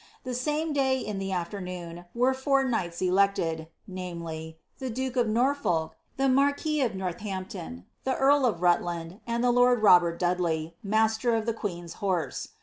The same day, in the afternoon, vere four knights elected — viz., the duke of Norfolk, the marquis of Northampton, the earl of Rutland, and the lord Robert Dudley, roaster of the queen^s horse.